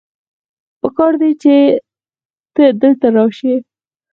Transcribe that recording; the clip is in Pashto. پکار دی چې ته دلته راشې